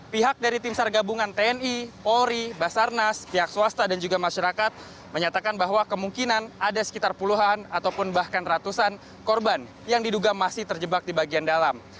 pihak dari tim sargabungan tni polri basarnas pihak swasta dan juga masyarakat menyatakan bahwa kemungkinan ada sekitar puluhan ataupun bahkan ratusan korban yang diduga masih terjebak di bagian dalam